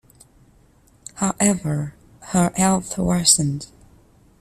However, her health worsened.